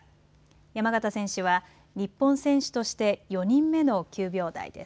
山縣選手は日本選手として４人目の９秒台です。